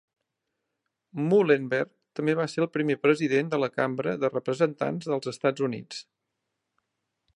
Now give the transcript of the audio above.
Muhlenberg també va ser el primer president de la Cambra de Representants dels Estats Units.